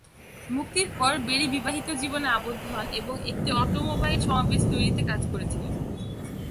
মুক্তির পর, বেরি বিবাহিত জীবনে আবদ্ধ হন এবং একটি অটোমোবাইল সমাবেশ তৈরিতে কাজ করেছিলেন।